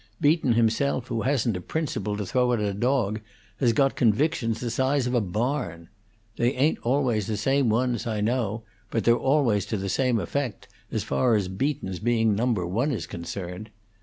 Beaton himself, who hasn't a principle to throw at a dog, has got convictions the size of a barn. They ain't always the same ones, I know, but they're always to the same effect, as far as Beaton's being Number One is concerned.